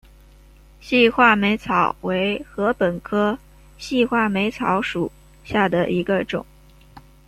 细画眉草为禾本科细画眉草属下的一个种。